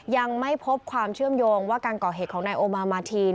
ยังไม่พบความเชื่อมโยงว่าการก่อเหตุของนายโอมามาทีน